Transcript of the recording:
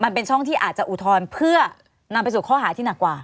ช่องที่อาจจะอุทธรณ์เพื่อนำไปสู่ข้อหาที่หนักกว่า